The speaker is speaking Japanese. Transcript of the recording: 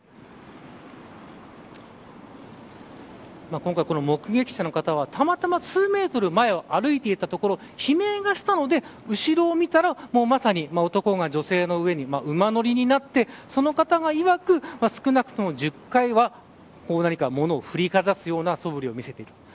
今回、この目撃者の方はたまたま数メートル前を歩いていたところ悲鳴がしたので後ろを見たらまさに男が女性の上に馬乗りになってその方がいわく少なくとも１０回は何か物を振りかざすようなそぶりを見せている。